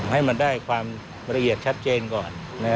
ให้มันได้ความละเอียดชัดเจนก่อน